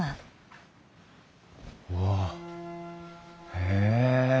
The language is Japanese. へえ。